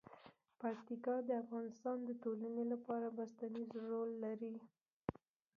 پکتیکا د افغانستان د ټولنې لپاره بنسټيز رول لري.